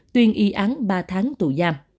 tuyên y án ba tháng tù giam